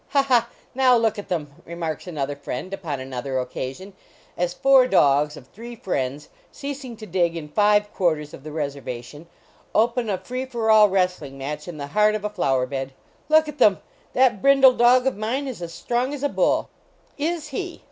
"Ha, ha! now look at them," remark. another friend, upon another occasion, as four dogs of three friends, ceasing to dig in five quarters of the reservation, open a free for all wrestling match in the heart of a flower bed " look at them ! That brindle do" of *> mine is as strong as a bull." " Is he?"